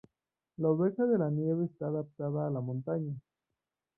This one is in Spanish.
La oveja de la nieve está adaptada a la montaña.